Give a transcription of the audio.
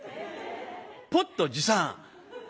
ポット持参。